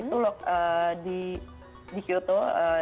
itu loh di kyoto